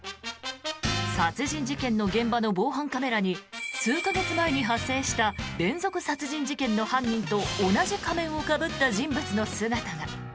殺人事件の現場の防犯カメラに数か月前に発生した連続殺人事件の犯人と同じ仮面をかぶった人物の姿が。